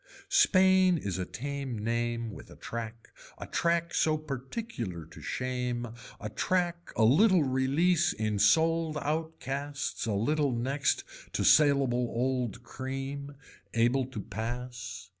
Spain is a tame name with a track a track so particular to shame, a track a little release in sold out casts a little next to saleable old cream. Able to pass.